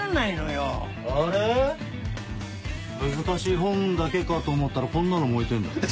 難しい本だけかと思ったらこんなのも置いてんだ。